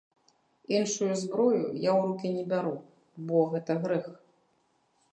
Іншую зброю я ў рукі не бяру, бо гэта грэх.